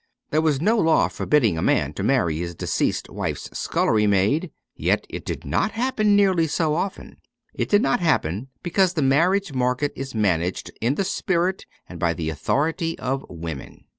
There was no law forbidding a man to marry his deceased wife's scullery maid ; yet it did not happen nearly so often. It did not happen because the marriage market is managed in the spirit and by the authority of women.